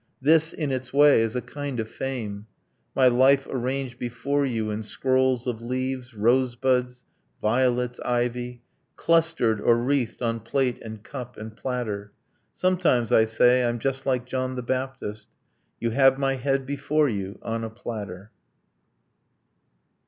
This, in its way, Is a kind of fame. My life arranged before you In scrolls of leaves, rosebuds, violets, ivy, Clustered or wreathed on plate and cup and platter ... Sometimes, I say, I'm just like John the Baptist You have my head before you ... on a platter.